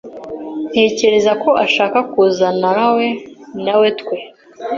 Ntekereza ko ashaka kuzanawe nawetwe.